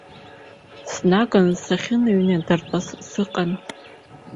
Снаганы сахьынҩнадыртәаз сыҟан.